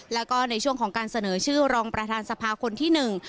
แล้วก็ในช่วงของการเสนอชื่อรองประธานสภาคนที่หนึ่ง